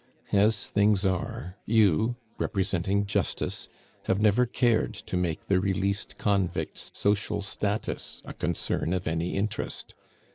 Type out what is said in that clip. As things are, you, representing Justice, have never cared to make the released convict's social status a concern of any interest.